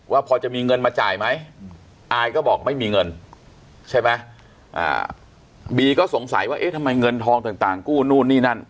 ว่าพอจะมีเงินมาจ่ายไหมอายก็บอกไม่มีเงินใช่ไหมบีก็สงสัยว่าเอ๊ะทำไมเงินทองต่างกู้นู่นนี่นั่น